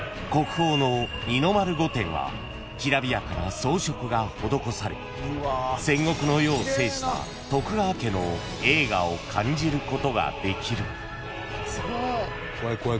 ［きらびやかな装飾が施され戦国の世を制した徳川家の栄華を感じることができる］